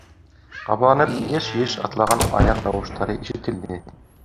Ҡабаланып йыш-йыш атлаған аяҡ тауыштары ишетелде.